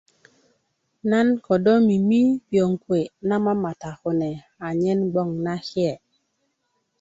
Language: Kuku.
nan kodo mimi piöŋ kuwe' na mamata kune anyen bgwoŋ nake